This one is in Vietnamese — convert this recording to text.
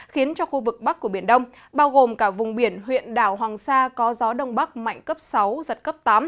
khiến cho khu vực bắc của biển đông bao gồm cả vùng biển huyện đảo hoàng sa có gió đông bắc mạnh cấp sáu giật cấp tám